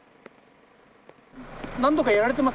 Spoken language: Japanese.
何度かやられてます？